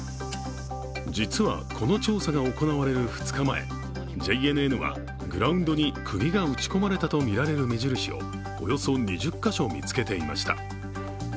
実はこの調査が行われる２日前、ＪＮＮはグラウンドにくぎが打ち込まれたとみられる目印をおよそ２０か所、見つけていました。